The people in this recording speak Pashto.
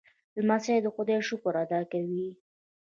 لمسی د خدای شکر ادا کوي.